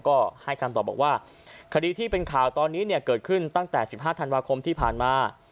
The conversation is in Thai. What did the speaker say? ก็ให้คำตอบบอกว่าคดีที่เป็นข่าวตอนนี้เนี่ยเกิดขึ้นตั้งแต่๑๕ธันวาคมที่ผ่านมา